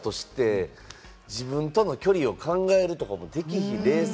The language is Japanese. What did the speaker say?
遭遇したとして自分との距離を考えるとか、もう、できひん。